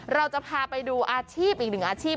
เราจะพาไปดูอาชีพอีกหนึ่งอาชีพ